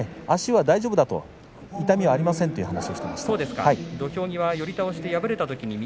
足は大丈夫ですと痛みはありませんという話をしていました。